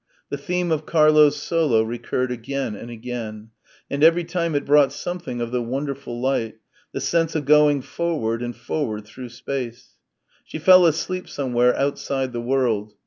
The theme of Clara's solo recurred again and again; and every time it brought something of the wonderful light the sense of going forward and forward through space. She fell asleep somewhere outside the world.